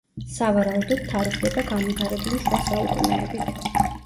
სავარაუდოდ, თარიღდება განვითარებული შუა საუკუნეებით.